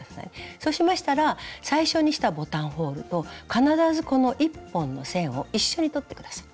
そうしましたら最初にしたボタンホールと必ずこの１本の線を一緒に取って下さい。